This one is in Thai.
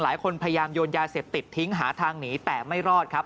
พยายามโยนยาเสพติดทิ้งหาทางหนีแต่ไม่รอดครับ